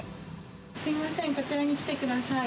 すみません、こちらに来てくはい。